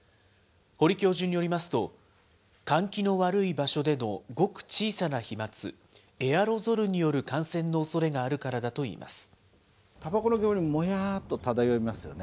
堀教授によりますと、換気の悪い場所でのごく小さな飛まつ・エアロゾルによる感染のおそれがあるからだといいます。